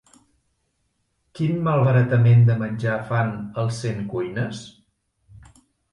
Quin malbaratament de menjar fan al Centcuines?